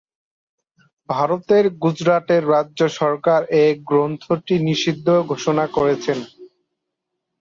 ভারতের গুজরাটের রাজ্য সরকার এ গ্রন্থটি নিষিদ্ধ ঘোষণা করেছে।